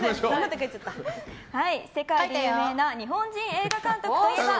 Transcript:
世界で有名な日本人映画監督といえば？